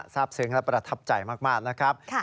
ทราบซึ้งและประทับใจมากนะครับ